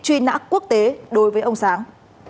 truy nã quốc tế đối với ông sáng